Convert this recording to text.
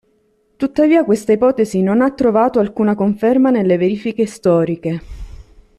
Tuttavia questa ipotesi non ha trovato alcuna conferma nelle verifiche storiche.